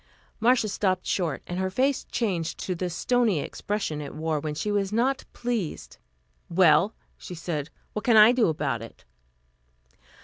Marcia stopped short and her face changed to the stony expression it wore when she was not pleased. "Well," she said, "What can I do about it?"